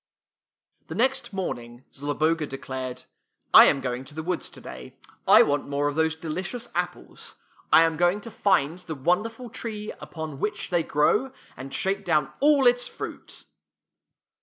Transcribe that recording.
The next morning Zloboga declared. I am going to the woods today. I want more of those delicious apples. I am going to find the wonderful tree upon which they grow, and shake down all its fruit."